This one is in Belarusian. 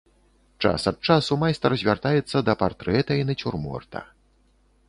Час ад часу майстар звяртаецца да партрэта і нацюрморта.